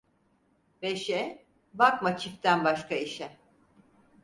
Beşe, bakma çiftten başka işe.